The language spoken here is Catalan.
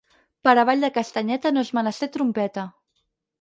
Per a ball de castanyeta no és menester trompeta.